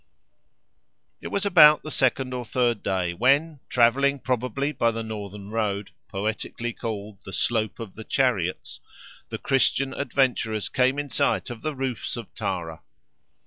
It was about the second or third day when, travelling probably by the northern road, poetically called "the Slope of the Chariots," the Christian adventurers came in sight of the roofs of Tara.